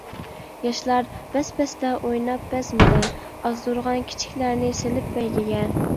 ياشلار بەس-بەستە ئويناپ بەزمىدە، ئازدۇرغان كىچىكلەرنى سېلىپ بەيگىگە.